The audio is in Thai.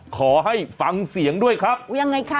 ขอให้ฟังเสียงด้วยครับยังไงคะ